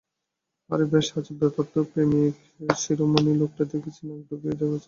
আরে ব্যস, আজব ব্যাপার তো, প্রেমিকশিরোমণি লোকটা দেখছি নাক ডেকে ঘুমাচ্ছে।